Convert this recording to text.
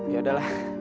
ya udah lah